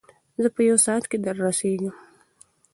زه په یو ساعت کې در رسېږم.